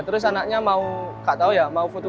terus anaknya mau foto